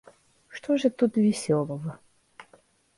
Что же тут веселого?